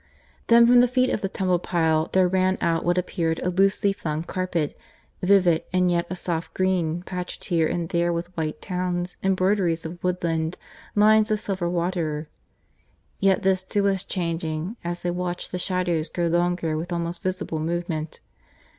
Then from the feet of the tumbled pile there ran out what appeared a loosely flung carpet vivid and yet a soft green, patched here and there with white towns, embroideries of woodland, lines of silver water. Yet this too was changing as they watched the shadows grow longer with almost visible movement.